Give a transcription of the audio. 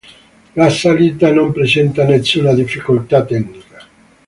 La salita non presenta nessuna difficoltà tecnica.